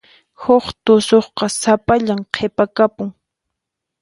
Huk tusuqqa sapallan qhipakapun.